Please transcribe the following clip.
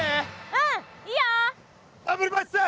うんいいよ！